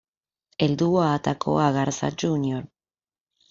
El dúo atacó a Garza Jr.